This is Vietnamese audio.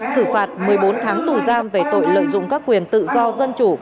xử phạt một mươi bốn tháng tù giam về tội lợi dụng các quyền tự do dân chủ